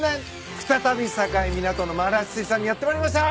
再び境港の丸八水産にやってまいりました。